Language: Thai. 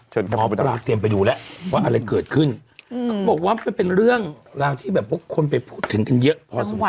หมอปลาเตรียมไปดูแล้วว่าอะไรเกิดขึ้นเขาบอกว่ามันเป็นเรื่องราวที่แบบว่าคนไปพูดถึงกันเยอะพอสมคว